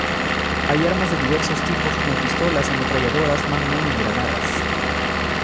Hay armas de diversos tipos como pistolas, ametralladoras, magnum y granadas.